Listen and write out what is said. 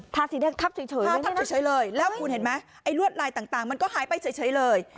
สีแดงทับเฉยทับเฉยเลยแล้วคุณเห็นไหมไอ้ลวดลายต่างมันก็หายไปเฉยเลย